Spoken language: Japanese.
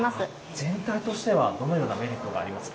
全体としてはどのようなメリットがありますか。